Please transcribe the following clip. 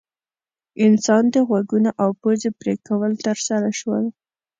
انسان د غوږونو او پزې پرې کول ترسره شول.